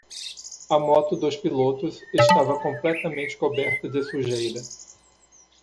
A moto dos pilotos estava completamente coberta de sujeira.